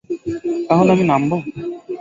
তাহলে আমি নামবো?